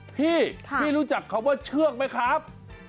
พี่พี่รู้จักคำว่าเชือกไหมครับ